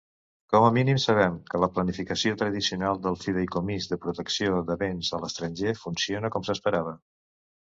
Com a mínim sabem que la planificació tradicional del fideïcomís de protecció de bens a l'estranger funciona com s'esperava.